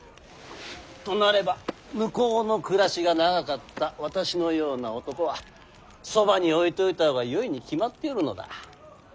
となれば向こうの暮らしが長かった私のような男はそばに置いておいた方がよいに決まっておるのだ。